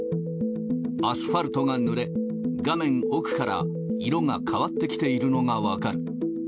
アスファルトがぬれ、画面奥から色が変わってきているのが分かる。